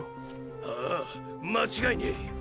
ああ間違いねェ！！